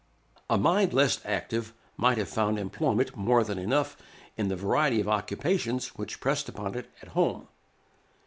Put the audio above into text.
A mind less active might have found employment more than enough in the variety of occupations which pressed upon it at home.